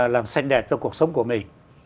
làm sạch đẹp cho cuộc sống của mình